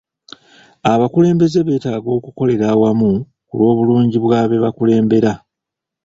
Abakulembeze beetaaga okukolera awamu ku lw'obulungi bwa be bakulembera.